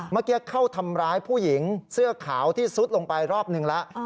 เมื่อกี้เข้าทำร้ายผู้หญิงเสื้อขาวที่ซุดลงไปรอบหนึ่งแล้ว